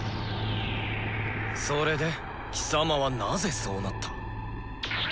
それで貴様はなぜそうなった？